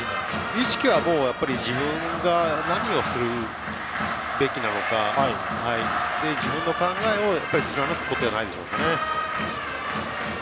意識では自分が何をするべきなのか自分の考えを貫くことじゃないでしょうかね。